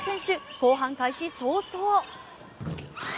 後半開始早々。